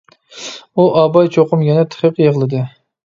ئۇ ئاباي چوقۇم يەنە تېخى يىغلىدى.